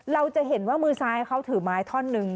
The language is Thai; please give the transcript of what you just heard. เราจะเห็นว่ามือซ้ายเขาถือไม้ท่อนนึง